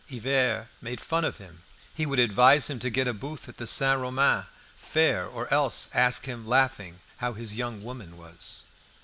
Hivert made fun of him. He would advise him to get a booth at the Saint Romain fair, or else ask him, laughing, how his young woman was.